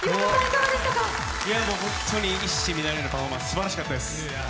一糸乱れぬパフォーマンス、すばらしかったです。